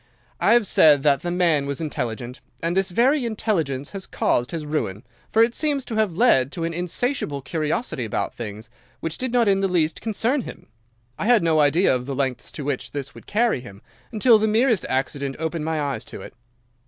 I have said that the man was intelligent, and this very intelligence has caused his ruin, for it seems to have led to an insatiable curiosity about things which did not in the least concern him. I had no idea of the lengths to which this would carry him, until the merest accident opened my eyes to it.